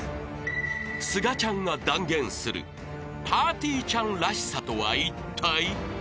［すがちゃんが断言するぱーてぃーちゃんらしさとはいったい？］